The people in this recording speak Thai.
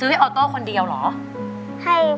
คุณแม่รู้สึกยังไงในตัวของกุ้งอิงบ้าง